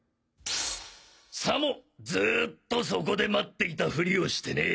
さもずっとそこで待っていたふりをしてね。